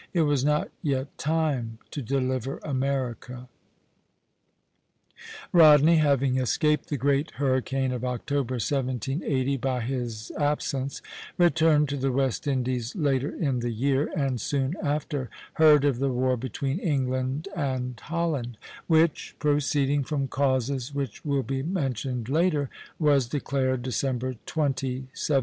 It was not yet time to deliver America. Rodney, having escaped the great hurricane of October, 1780, by his absence, returned to the West Indies later in the year, and soon after heard of the war between England and Holland; which, proceeding from causes which will be mentioned later, was declared December 20, 1780.